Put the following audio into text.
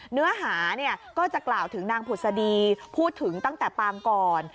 เนื้อหาก็จะกล่าวถึงนางผุศดีพูดถึงตั้งแต่ปางก่อน